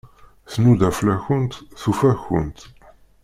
Tnuda fell-akent, tufa-kent.